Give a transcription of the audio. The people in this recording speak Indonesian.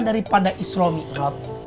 daripada islami erot